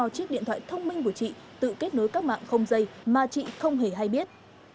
chiếc điện thoại thông minh của chị tự kết nối các mạng không dây mà chị không hề hay biết